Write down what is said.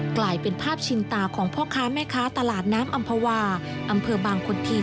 กลายเป็นภาพชินตาของพ่อค้าแม่ค้าตลาดน้ำอำภาวาอำเภอบางคนที